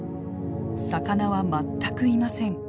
魚は全くいません。